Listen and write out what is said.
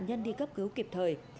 nhân đi cấp cứu kịp thời